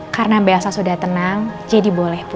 karena mbak elsa sudah tenang jadi boleh bu